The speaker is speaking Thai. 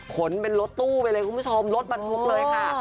ขนเป็นลดรถตู้ไปเลยรถมาพุกเลยค่ะ